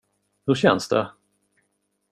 Hur känns det?